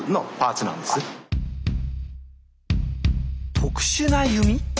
特殊な弓？